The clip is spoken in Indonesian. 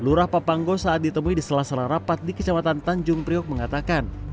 lurah papanggo saat ditemui di sela sela rapat di kecamatan tanjung priok mengatakan